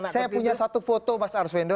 saya punya satu foto mas arswendo